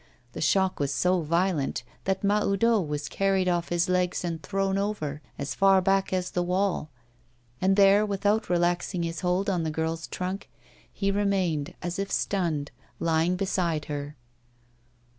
The shock was so violent that Mahoudeau was carried off his legs and thrown over, as far back as the wall; and there, without relaxing his hold on the girl's trunk, he remained as if stunned lying beside her.